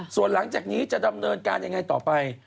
ส่วนหลังจากนี้จะดำเนินการยังไงต่อไป